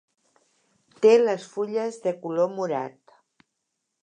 Té les fulles de color morat.